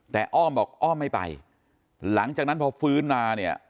แต่อ้อมบอกอ้อมไม่ไปหลังจากนั้นพอฟื้นมาเนี่ย